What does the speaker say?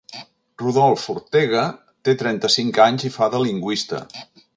Rudolf Ortega té trenta-cinc anys i fa de lingüista.